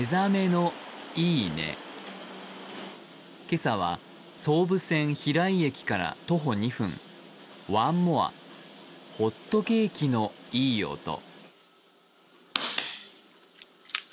今朝は総武線平井駅から徒歩２分ワンモア、ホットケーキのいい音。